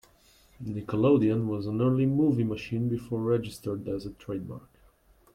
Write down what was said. "Nickelodeon" was an early movie machine before registered as a trademark.